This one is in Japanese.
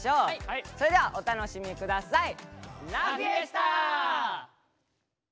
それではお楽しみ下さい。